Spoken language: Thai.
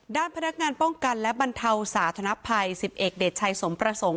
ด้านพนักงานป้องกันและบรรเทาสาธนภัย๑๑เดชชัยสมประสงค์